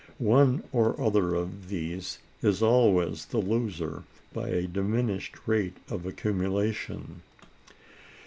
One or other of these is always the loser by a diminished rate of accumulation.